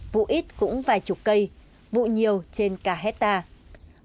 vụ ít cũng vài chục cây vụ nhiều trên cả hectare